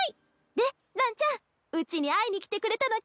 でランちゃんうちに会いに来てくれたのけ？